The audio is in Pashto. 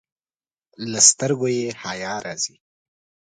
له سترګو یې حیا راځي.